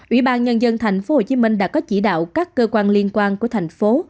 ủy ban nhân dân thành phố hồ chí minh đã có chỉ đạo các cơ quan liên quan của thành phố